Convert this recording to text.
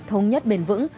thống nhất bền vững